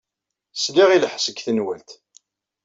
Sliɣ i lḥess deg tenwalt.